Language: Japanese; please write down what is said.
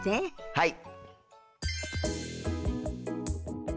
はい。